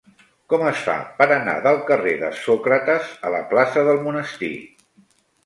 Com es fa per anar del carrer de Sòcrates a la plaça del Monestir?